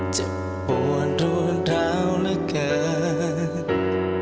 จะปวดรวดราวและเกิด